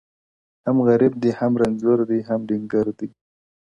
هم غریب دی هم رنځور دی هم ډنګر دی!!